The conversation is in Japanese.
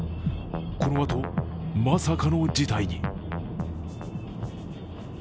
このあと、まさかの事態に。